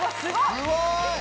すごい！